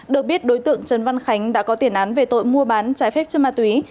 được biết đối tượng trần văn khánh đã có tiền án về tội mua bán trái phép chân ma túy